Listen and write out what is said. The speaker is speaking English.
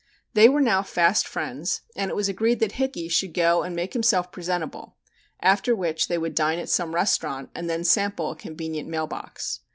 They were now fast friends, and it was agreed that "Hickey" should go and make himself presentable, after which they would dine at some restaurant and then sample a convenient mail box.